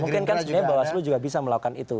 mungkin kan sebenarnya bawaslu juga bisa melakukan itu